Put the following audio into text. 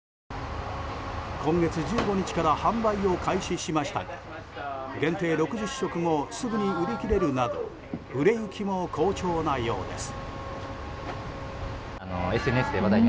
今月１５日から販売を開始しましたが限定６０食もすぐに売り切れるなど売れ行きも好調なようです。